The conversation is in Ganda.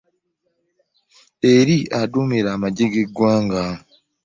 Ani adduumira amajje g'eggwanga.